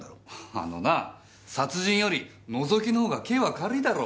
あのな殺人よりのぞきのほうが刑は軽いだろ。